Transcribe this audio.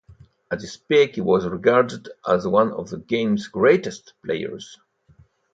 At his peak he was regarded as one of the game's greatest players.